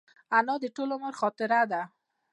انا د ټول عمر خاطره ده